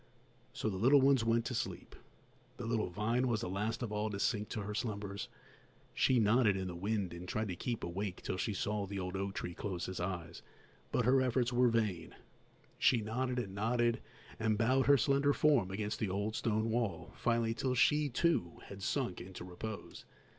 So the little ones went to sleep. The little vine was the last of all to sink to her slumbers; she nodded in the wind and tried to keep awake till she saw the old oak tree close his eyes, but her efforts were vain; she nodded and nodded, and bowed her slender form against the old stone wall, till finally she, too, had sunk into repose.